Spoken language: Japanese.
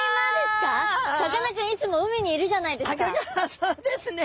そうですね。